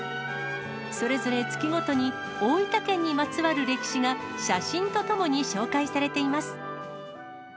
それぞれ月ごとに、大分県にまつわる歴史が、写真とともに紹介されています。